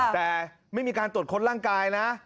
แต่ไม่มีการตรวจค้นร่างกายนะ